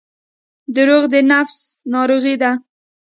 • دروغ د نفس ناروغي ده.